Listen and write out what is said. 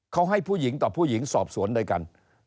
เขาให้ผู้หญิงต่อผู้หญิงสอบสวนด้วยกัน